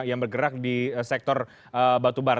yang bergerak di sektor batu barak